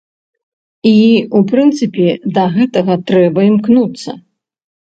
І, у прынцыпе, да гэтага трэба імкнуцца.